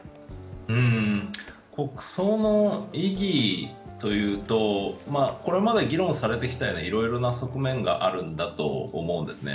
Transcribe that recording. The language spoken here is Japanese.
国葬の意義というと、これまで議論されてきたようないろいろな側面があるんだと思うんですね。